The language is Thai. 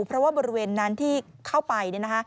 เพราะว่าบริเวณนั้นที่เข้าไป